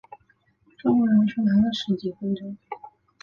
中国人说还要十几分钟